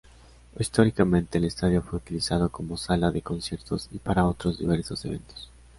Históricamente, el estadio fue utilizado como sala de conciertos y para otros diversos eventos.